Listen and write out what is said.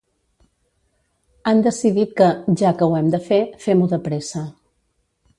Han decidit que, ja que ho hem de fer, fem-ho de pressa.